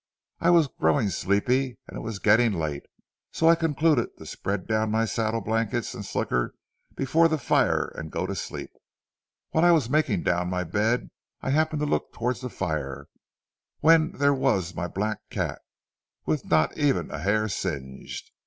I was growing sleepy, and it was getting late, so I concluded to spread down my saddle blankets and slicker before the fire and go to sleep. While I was making down my bed, I happened to look towards the fire, when there was my black cat, with not even a hair singed.